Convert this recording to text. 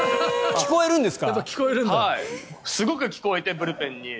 聴こえるんですか？